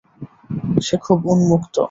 সে খুব উন্মুক্ত।